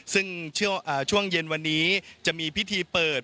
ซึ่งช่วงเย็นวันนี้จะมีพิธีเปิด